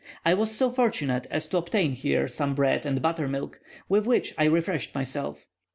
I was so fortunate as to obtain here some bread and buttermilk, with which I refreshed myself.